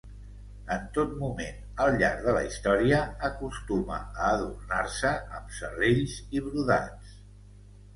En tot moment al llarg de la història, acostuma a adornar-se amb serrells i brodats.